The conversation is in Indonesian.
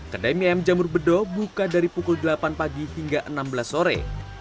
kedai mie ayam jamur bedo buka dari pukul delapan pagi hingga enam belas sore